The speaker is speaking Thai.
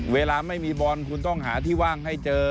เวลาไม่มีบอลคุณต้องหาที่ว่างให้เจอ